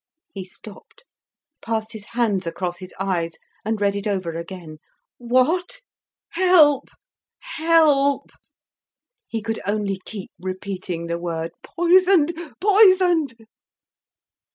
He stopped, passed his hands across his eyes, and read it over again. "What! help help!" He could only keep repeating the word: "Poisoned! poisoned!"